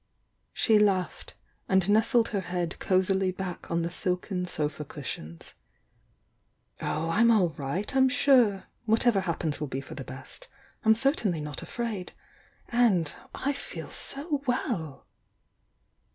She laughed, and nestled her head cosily back on the silken sofa cushions. "Oh, I'm all right, I'm sure! Whatever happens will be for the best. I'm certainly not afraid. And I feel so well!"